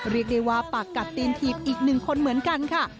เรียกได้ว่าปากกัดตีนถีบอีกหนึ่งคนเหมือนกันค่ะ